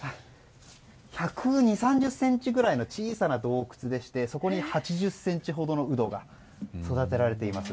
１２０１３０ｃｍぐらいの小さな洞窟でしてそこに８０ｃｍほどのウドが育てられています。